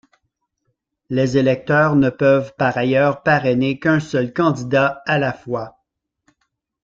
Les électeurs ne peuvent par ailleurs parrainer qu'un seul candidat à la fois.